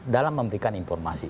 dalam memberikan informasi